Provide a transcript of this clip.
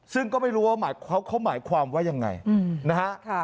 ซึ่งก็ไม่รู้ว่าเขาหมายความว่ายังไงนะฮะ